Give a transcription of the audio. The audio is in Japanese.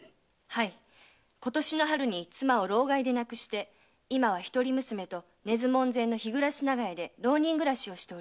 はい今年の春に妻を労咳で亡くして今は一人娘と根津門前の「ひぐらし長屋」で浪人暮らしをしております。